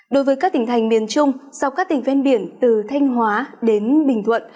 đối với các tỉnh thành miền trung dọc các tỉnh ven biển từ thanh hóa đến bình thuận